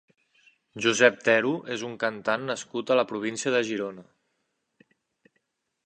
Josep Tero és un cantant nascut a la província de Girona.